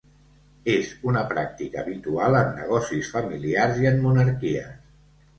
És una pràctica habitual en negocis familiars i en monarquies.